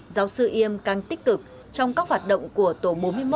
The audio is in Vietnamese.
giáo sư yêm càng tích cực trong các hoạt động của tổ bốn mươi một